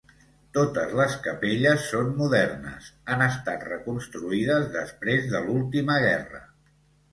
Totes les capelles són modernes, han estat reconstruïdes després de l'última guerra.